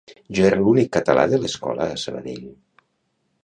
Jo era l'únic català de l'escola a Sabadell